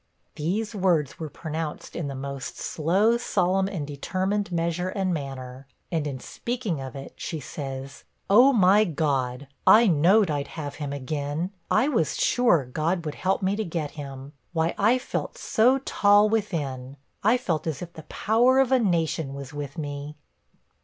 These words were pronounced in the most slow, solemn, and determined measure and manner. And in speaking of it, she says, 'Oh my God! I know'd I'd have him agin. I was sure God would help me to get him. Why, I felt so tall within I felt as if the power of a nation was with me!'